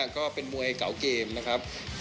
ก็เป็นมวยเก่าเกมนะครับ